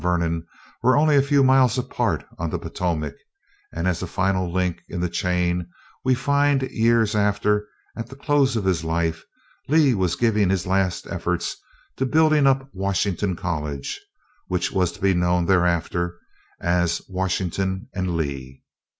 Vernon were only a few miles apart on the Potomac, and as a final link in the chain we find, years after, at the close of his life, Lee giving his last efforts to building up Washington College, which was to be known thereafter as Washington and Lee.